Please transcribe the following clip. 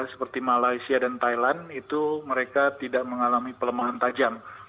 seperti malaysia dan thailand itu mereka tidak mengalami pelemahan tajam